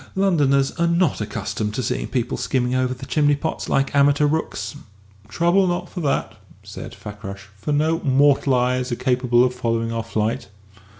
Londoners are not accustomed to seeing people skimming over the chimney pots like amateur rooks." "Trouble not for that," said Fakrash, "for no mortal eyes are capable of following our flight."